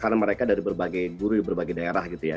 karena mereka dari berbagai guru di berbagai daerah gitu ya